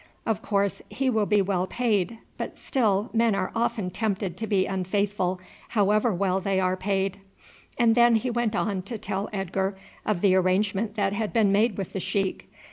Of course he will be well paid; but still men are often tempted to be unfaithful however well they are paid;" and then he went on to tell Edgar of the arrangement that had been made with the sheik.